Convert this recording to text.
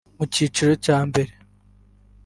Mu cyiciro cya mbere